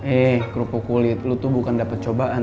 ee kerupuk kulit lo tuh bukan dapet cobaan